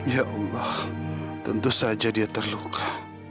ya allah tentu saja dia terluka